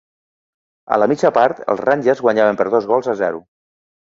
A la mitja part, els Rangers guanyaven per dos gols a zero.